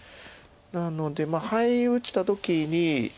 なのでハイ打った時に。